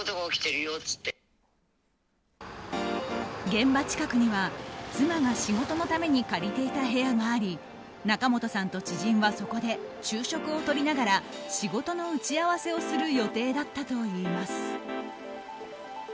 現場近くには妻が仕事のために借りていた部屋があり仲本さんと知人はそこで昼食をとりながら仕事の打ち合わせをする予定だったといいます。